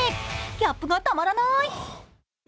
ギャップがたまらない。